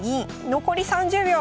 残り３０秒。